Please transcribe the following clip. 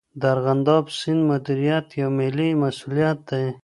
د ارغنداب سیند مدیریت یو ملي مسئولیت دی.